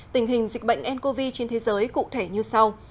tình hình dịch bệnh ncov trên thế giới cụ thể như sau